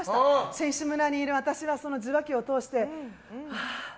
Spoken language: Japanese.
選手村にいる私は受話器を通してああ